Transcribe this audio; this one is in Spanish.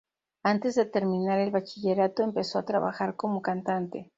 Antes de terminar el bachillerato, empezó a trabajar como cantante.